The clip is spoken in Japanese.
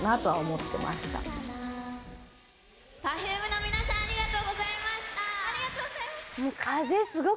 Ｐｅｒｆｕｍｅの皆さんありがとうございました。